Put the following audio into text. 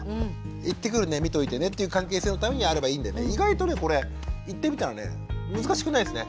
「行ってくるね見といてね」っていう関係性のためにあればいいんでね意外とねこれ言ってみたらね難しくないですね。